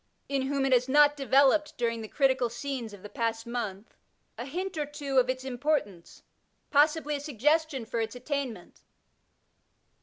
8 Digitized by Google AEQUANIMITAS whom it has not developed during the critical scenes of the past month, a hint or two of its importance, possibly a suggestion for its attainment.